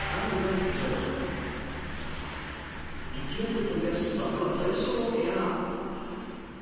りが出場勢いよく飛び出すまずは最初のエア